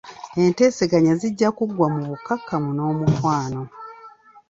Enteeseganya zijja kuggwa mu bukkakkamu n'omukwano.